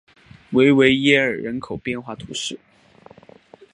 维维耶尔人口变化图示